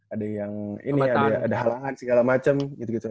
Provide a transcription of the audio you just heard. ada yang ini ada halangan segala macam gitu gitu